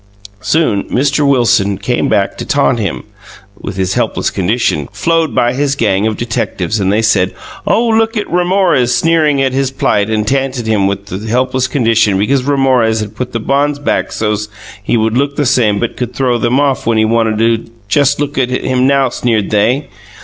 Soon Mr Wilson came back to tant him with his helpless condition flowed by his gang of detectives and they said Oh look at Ramorez sneering at his plight and tanted him with his helpless condition because Ramorez had put the bonds back sos he would look the same but could throw them off him when he wanted to Just look at him now sneered they.